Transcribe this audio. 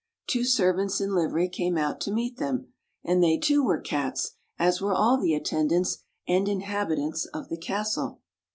Two servants in livery came out to meet them — and they, too, were Cats, as were all the attendants and inhabitants of the castle.